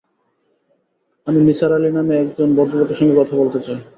আমি নিসার আলি নামে এক জন ভদ্রলোকের সঙ্গে কথা বলতে চাই!